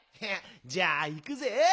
じゃあいくぜ。